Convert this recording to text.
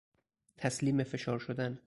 تسلیم فشار شدن